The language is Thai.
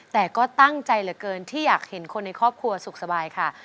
แต่ก็ตั้งใจเหลือเกินที่อยากเห็นคนในครอบครัวสุขสบายค่ะ